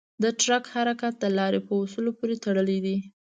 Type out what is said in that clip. د ټرک حرکت د لارې په اصولو پورې تړلی دی.